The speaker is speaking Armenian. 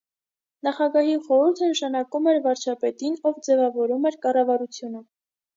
Նախագահի խորհուրդը նշանակում էր վարչապետին, ով ձևավորում էր կառավարությունը։